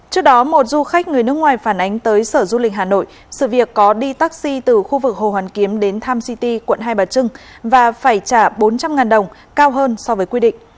trước đó một du khách người nước ngoài phản ánh tới sở du lịch hà nội sự việc có đi taxi từ khu vực hồ hoàn kiếm đến tham city quận hai bà trưng và phải trả bốn trăm linh đồng cao hơn so với quy định